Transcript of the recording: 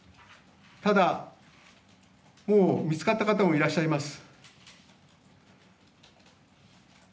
ただ、もう見つかった方もいらっしゃいます。